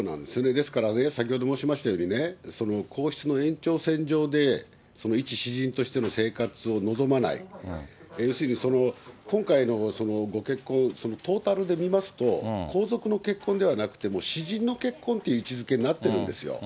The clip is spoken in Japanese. ですからね、先ほど申しましたようにね、皇室の延長線上で一私人としての生活を望まない、要するに、今回のご結婚をトータルで見ますと、皇族の結婚ではなくて、もう私人の結婚って位置づけになってるんですよ。